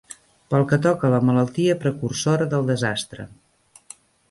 Pel que toca a la malaltia precursora del desastre